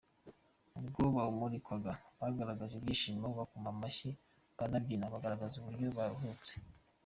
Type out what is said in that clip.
Ubwo bawumurikirwaga bagaragaje ibyishimo bakoma amashyi baranabyina bagaragaza uburyo baruhutse.